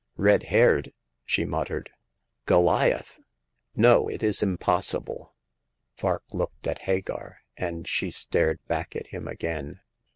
" Red haired !" she muttered. Goliath ! No, it is impossible !" Vark looked at Hagar, and she stared back at him again.